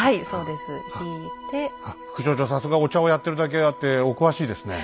副所長さすがお茶をやってるだけあってお詳しいですね。